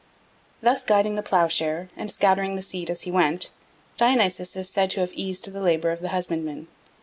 Thus guiding the ploughshare and scattering the seed as he went, Dionysus is said to have eased the labour of the husbandman.